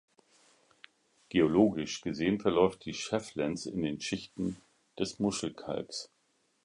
Geologisch gesehen verläuft die Schefflenz in den Schichten des Muschelkalks.